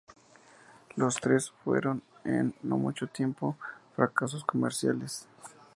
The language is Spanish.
Los tres fueron, en no mucho tiempo, fracasos comerciales.